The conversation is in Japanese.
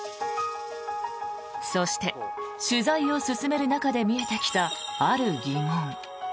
そして、取材を進める中で見えてきた、ある疑問。